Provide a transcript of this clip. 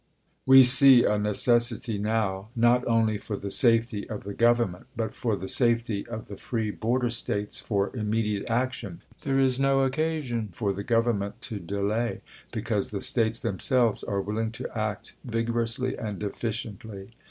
SCOTT'S ANACONDA 305 We see a necessity now, not only for the safety of the Government, but for the safety of the free border States, for immediate action. There is no occasion for the Gov ernment to delay, because the States themselves are willing to act vigorously and efficiently.